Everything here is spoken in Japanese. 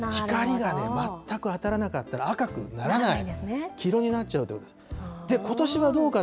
光が全く当たらなかったら赤くならない、黄色になっちゃう。